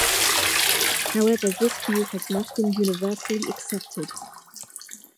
However, this view has not been universally accepted.